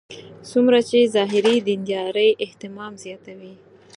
څومره چې ظاهري دیندارۍ اهتمام زیاتوي.